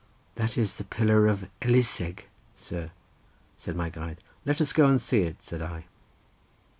"That is the pillar of Eliseg, sir," said my guide. "Let us go and see it," said I.